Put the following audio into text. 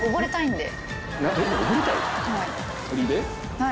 はい。